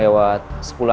ini pak rekamannya